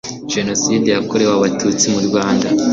jenoside yakorewe Abatutsi mu Rwanda